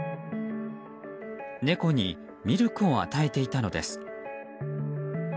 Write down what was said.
猫にミルクを与えていたのです。